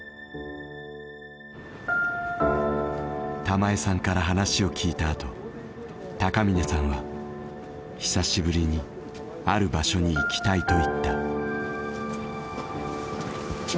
玉枝さんから話を聞いた後高峰さんは「久しぶりにある場所に行きたい」と言った。